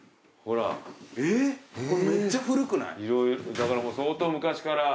だから相当昔から。